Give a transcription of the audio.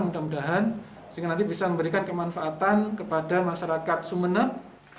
mudah mudahan sehingga nanti bisa memberikan kemanfaatan kepada masyarakat sumeneb